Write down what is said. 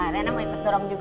ya udah ikut dorong